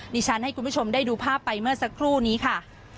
ดิฉันให้คุณผู้ชมได้ดูภาพไปเมื่อสักครู่นี้ค่ะ